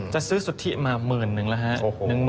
จะซื้อสุทธิมา๑๐๐๐๐ล้านนะครับ